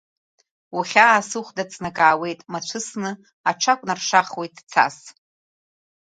Ухьаа сыхәда ҵнакаауеит, мацәысны аҽакәнаршахуеит цас.